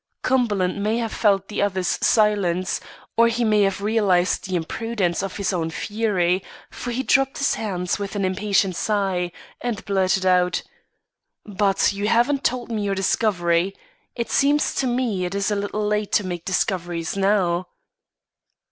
Cumberland may have felt the other's silence, or he may have realised the imprudence of his own fury; for he dropped his hands with an impatient sigh, and blurted out: "But you haven't told me your discovery. It seems to me it is a little late to make discoveries now."